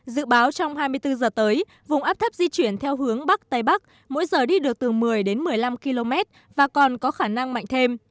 dự báo trong hai mươi bốn giờ tới vùng áp thấp di chuyển theo hướng bắc tây bắc mỗi giờ đi được từ một mươi đến một mươi năm km và còn có khả năng mạnh thêm